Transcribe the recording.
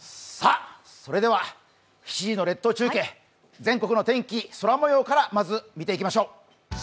それでは７時の列島中継、全国の天気、空もようからまず見ていきましょう。